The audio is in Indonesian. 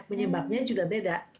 menyebabnya juga beda